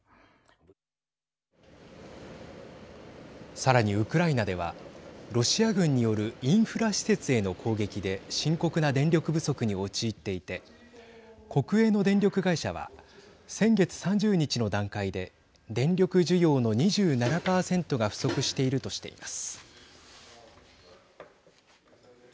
さらに、ウクライナではロシア軍によるインフラ施設への攻撃で深刻な電力不足に陥っていて国営の電力会社は先月３０日の段階で電力需要の２７％が不足しているとしています。